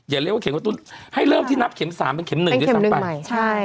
อย่าเรียกว่าเข็มกระตุ้นให้เริ่มที่นับเข็ม๓เป็นเข็ม๑หรือ๓ไป